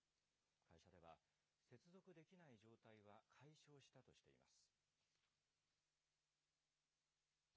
会社では、接続できない状態は解消したとしています。